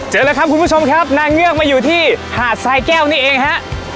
เลยครับคุณผู้ชมครับนางเงือกมาอยู่ที่หาดทรายแก้วนี่เองฮะ